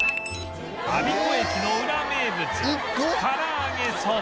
我孫子駅のウラ名物